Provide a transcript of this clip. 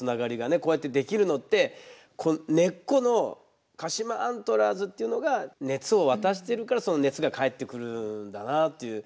こうやってできるのって根っこの鹿島アントラーズっていうのが熱を渡してるからその熱が返ってくるんだなという。